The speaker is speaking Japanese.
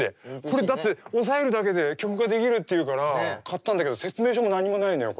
これだって押さえるだけで曲が出来るっていうから買ったんだけど説明書も何にもないのよ